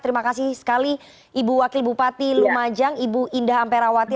terima kasih sekali ibu wakil bupati lumajang ibu indah amperawati